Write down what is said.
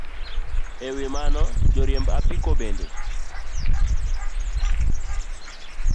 E wi mano, joriemb apiko bende